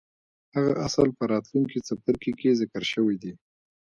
هغه اصل په راتلونکي څپرکي کې ذکر شوی دی.